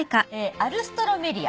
アルストロメリア。